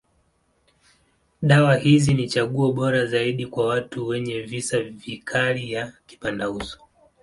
Dawa hizi ni chaguo bora zaidi kwa watu wenye visa vikali ya kipandauso.